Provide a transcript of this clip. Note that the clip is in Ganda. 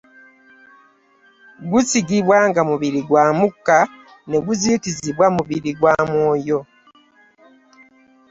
Gusigibwa nga mubiri gwa mukka ne guzuukizibwa mubiri gwa mwoyo.